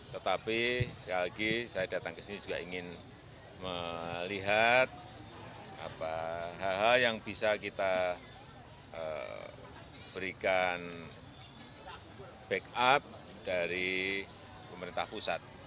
tetapi sekali lagi saya datang ke sini juga ingin melihat hal hal yang bisa kita berikan backup dari pemerintah pusat